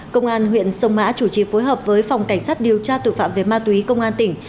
công an huyện sông mã chủ trì phối hợp với phòng cảnh sát điều tra tội phạm về ma túy công an tỉnh